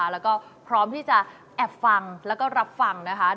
แล้วก็พร้อมที่จะแอบฟังแล้วก็รับฟังนะคะ